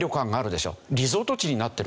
リゾート地になってるでしょ。